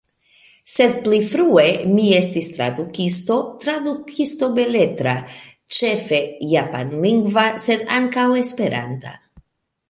Sed pli frue mi estis tradukisto, tradukisto beletra, ĉefe japanlingva sed ankaŭ esperanta.